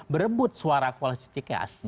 berebut suara koalisi cks